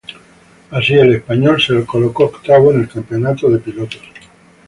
Así, el español se colocó octavo en el campeonato de pilotos.